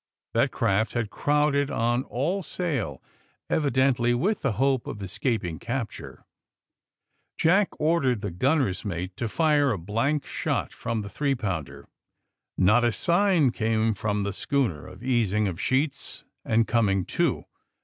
That craft had crowded on all sail, evidently with the hope of escaping capture. fl AND THE SMUGGLERS 225 Jack ordered the gunner's mate to fire a blank shot from the three ponnder. Not a sign came from the schooner of easing of sheets and com ing to.